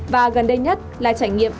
và gần đây nhất là trải nghiệm